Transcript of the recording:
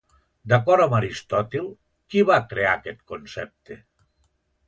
D'acord amb Aristòtil, qui va crear aquest concepte?